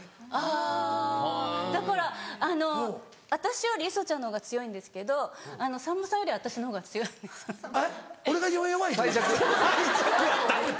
あだからあの私より磯ちゃんのほうが強いんですけどさんまさんより私のほうが強い。